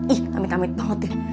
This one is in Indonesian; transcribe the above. ih amit amit banget ya